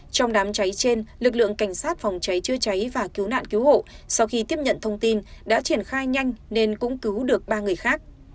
trong đám cháy trên lực lượng cảnh sát phòng cháy chữa cháy và cứu nạn cứu hộ sau khi tiếp nhận thông tin đã triển khai nhanh nên cũng cứu được ba người khác